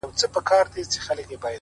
ما د مرگ ورځ به هم هغه ورځ وي ـ